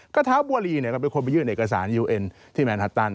ก็เท้าบัวลีก็เป็นคนไปยื่นเอกสารยูเอ็นที่แมนฮัตตัน